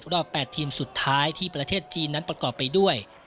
รอบ๘ทีมสุดท้ายที่ประเทศจีนนั้นประกอบไปด้วย